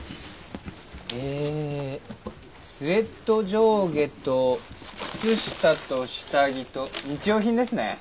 ええスウェット上下と靴下と下着と日用品ですね。